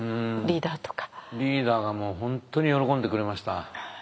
リーダーがもう本当に喜んでくれました。